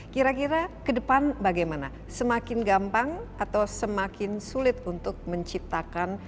kira kira ke depan bagaimana semakin gampang atau semakin sulit untuk menciptakan